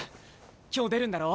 今日出るんだろ？